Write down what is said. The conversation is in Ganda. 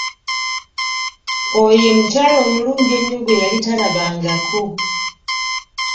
Oyo ye mukyala omulungi ennyo gwe yali talababangako.